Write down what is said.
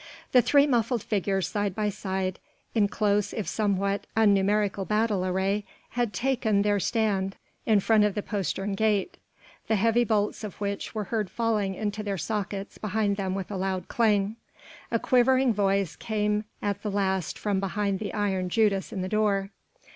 The three muffled figures side by side in close if somewhat unnumerical battle array had taken their stand in front of the postern gate, the heavy bolts of which were heard falling into their sockets behind them with a loud clang. A quivering voice came at the last from behind the iron judas in the door.